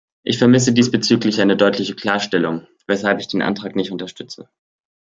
Ich vermisse diesbezüglich eine deutliche Klarstellung, weshalb ich den Antrag nicht unterstütze.